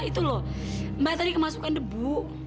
itu loh mbak tadi kemasukan debu